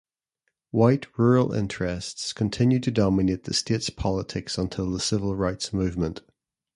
White rural interests continued to dominate the state's politics until the Civil Rights Movement.